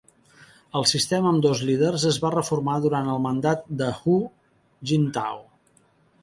El sistema amb dos líders es va reformar durant el mandat de Hu Jintao.